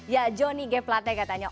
ya johnny g plate katanya